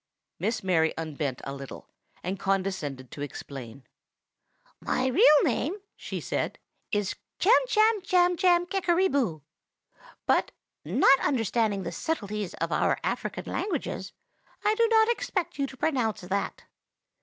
Miss Mary unbent a little, and condescended to explain. "My real name," she said, "is Chamchamchamchamkickeryboo; but, not understanding the subtleties of our African languages, I do not expect you to pronounce that.